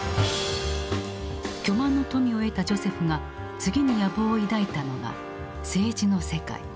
巨万の富を得たジョセフが次に野望を抱いたのが政治の世界。